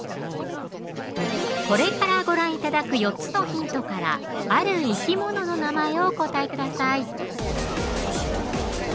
これからご覧頂く４つのヒントからある生き物の名前をお答えください